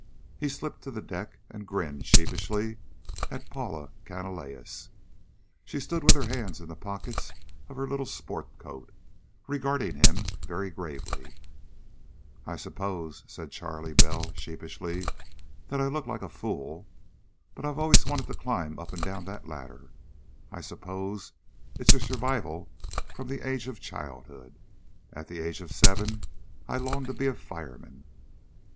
He slipped to the deck and grinned sheepishly at Paula Canalejas. She stood with her hands in the pockets of her little sport coat, regarding him very gravely. "I suppose," said Charley Bell sheepishly, "that I look like a fool. But I've always wanted to climb up and down that ladder. I suppose it's a survival from the age of childhood. At the age of seven I longed to be a fireman."